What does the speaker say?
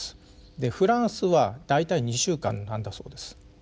でフランスは大体２週間なんだそうです。